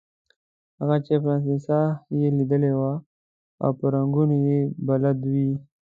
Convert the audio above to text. هغه چې فرانسه یې ليدلې وي او په رنګونو يې بلد وي.